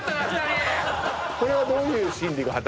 これはどういう心理が？